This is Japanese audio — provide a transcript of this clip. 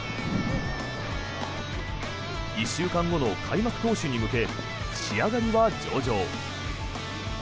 １週間後の開幕投手に向け仕上がりは上々。